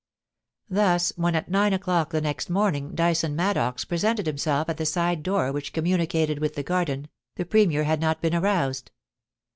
Thus, when at nine o'clock the next moming Dyson Maddox presented himself at the side door which communi cated with the garden, the Premier had not been aroused.